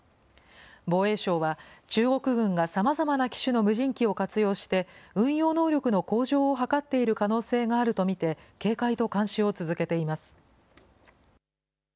防衛省は、中国軍がさまざまな機種の無人機を活用して、運用能力の向上を図っている可能性があると見て、警戒と監視を続けています。